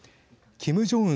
キム・ジョンウン